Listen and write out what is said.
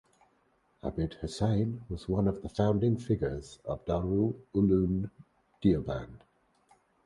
Abid Hussain was one of the founding figures of Darul Uloom Deoband.